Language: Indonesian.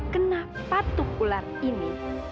kena patuk ular ini